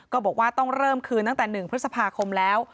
บอกว่าต้องเริ่มคืนตั้งแต่๑พฤษภาคมแล้ว